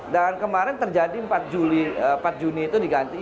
dan kemarin terjadi empat juni itu diganti